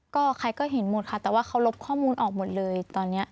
ก็ใครก็เห็นหมดค่ะแต่ว่าเขาลบข้อมูลออกหมดเลยตอนนี้